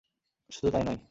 শুধু তাই নয়।